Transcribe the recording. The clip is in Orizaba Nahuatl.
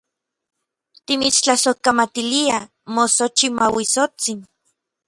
Timitstlasojkamatiliaj, moxochimauitsotsin.